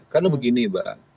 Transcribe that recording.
karena begini mbak